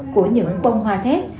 của những bông hoa thét